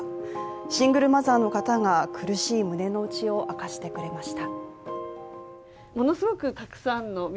シングルマザーの方が苦しい胸の内を明かしてくれました。